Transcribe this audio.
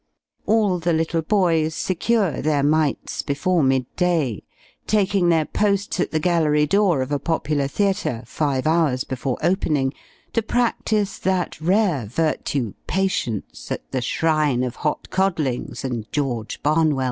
All the little boys secure their mites before mid day; taking their posts at the gallery door of a popular theatre, five hours before opening, to practise that rare virtue, patience, at the shrine of "Hot Codlings," and "George Barnwell."